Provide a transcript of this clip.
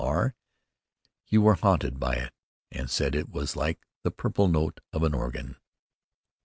R ? You were haunted by it and said it was like the purple note of an organ."